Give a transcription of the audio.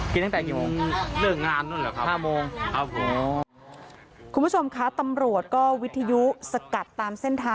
กลางเฉียงดังพวกเนี้ยควรไม่กล้าออกมาเนาะ